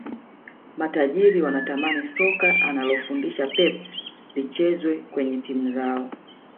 matajiri wanatamani soka analolifundisha pep lichezwe kwenye timu zao